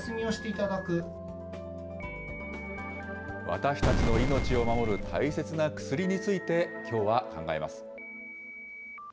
私たちの命を守る大切な薬について、きょうは考えます。